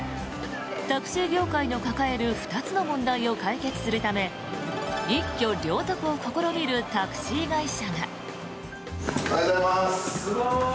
タクシー業界の抱える２つの問題を解決するため一挙両得を試みるタクシー会社が。